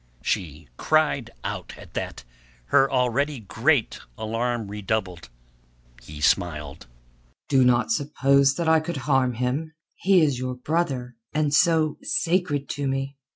She cried out at that, her already great alarm redoubled. He smiled. "Do not suppose that I could harm him. He is your brother, and, so, sacred to me.